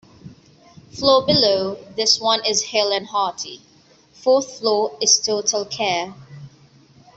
Floor below this one is hale-and-hearty...Fourth floor is total care.